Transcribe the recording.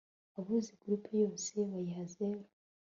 abuze group yose bayiha zero